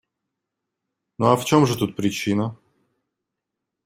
Ну а в чем же тут причина?